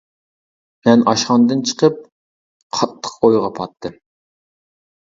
مەن ئاشخانىدىن چىقىپ قاتتىق ئويغا پاتتىم.